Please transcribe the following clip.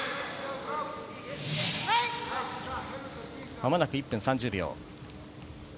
間もなく１分３０秒。